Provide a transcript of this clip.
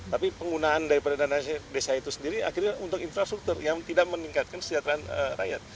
tapi penggunaan daripada dana desa itu sendiri akhirnya untuk infrastruktur yang tidak meningkatkan kesejahteraan rakyat